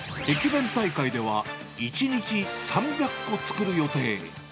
駅弁大会では、１日３００個作る予定。